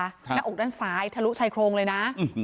หน้าอกด้านซ้ายทะลุชายโครงเลยนะ